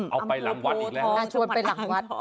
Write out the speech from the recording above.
เอาไปหลังวัดอีกแล้ว